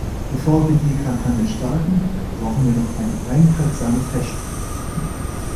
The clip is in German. Bevor wir die Kampagne starten, brauchen wir noch ein einprägsames Hashtag.